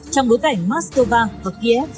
trong bối cảnh moscow và kiev